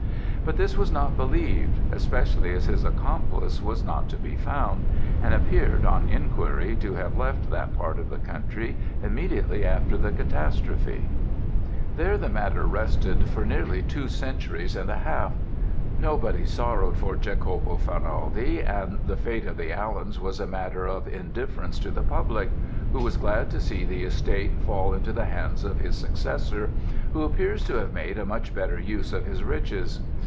But this was not believed, especially as his accomplice was not to be found, and appeared, on enquiry, to have left that part of the country immediately after the catastrophe. "There the matter rested for nearly two centuries and a half. Nobody sorrowed for Jacopo Ferraldi, and the fate of the Allens was a matter of indifference to the public, who was glad to see the estate fall into the hands of his successor, who appears to have made a much better use of his riches.